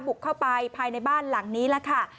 บุกเข้าไปภายในบ้านหลังนี้แล้วค่ะ